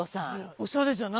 おしゃれじゃない。